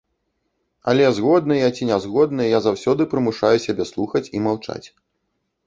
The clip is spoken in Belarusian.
Але, згодны я ці не згодны, я заўсёды прымушаю сябе слухаць і маўчаць.